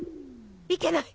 いけない！